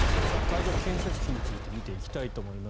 会場建設費について見ていきたいと思います。